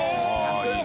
安い！